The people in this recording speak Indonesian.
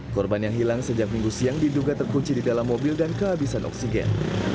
korban yang hilang sejak minggu siang diduga terkunci di dalam mobil dan kehabisan oksigen